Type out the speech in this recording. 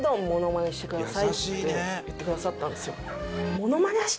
って言ってくださったんですよ。